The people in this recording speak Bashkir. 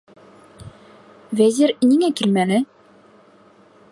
- Вәзир ниңә килмәне?